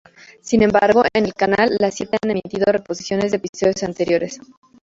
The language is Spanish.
Sin embargo, en el canal La Siete han emitido reposiciones de episodios anteriores.